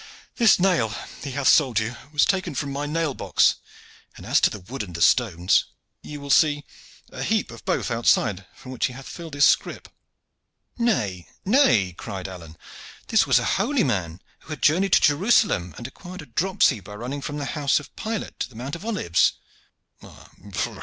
This nail that he hath sold you was taken from my nail box, and as to the wood and the stones, you will see a heap of both outside from which he hath filled his scrip." "Nay, nay," cried Alleyne, "this was a holy man who had journeyed to Jerusalem, and acquired a dropsy by running from the house of Pilate to the Mount of Olives."